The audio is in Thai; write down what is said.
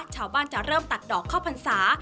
ชาวบ้านจะเริ่มตัดดอกข้าวพรรษา